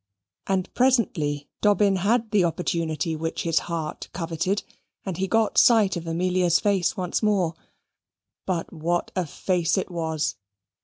And presently Dobbin had the opportunity which his heart coveted, and he got sight of Amelia's face once more. But what a face it was!